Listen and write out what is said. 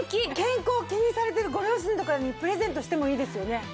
健康を気にされてるご両親とかにプレゼントしてもいいですよね。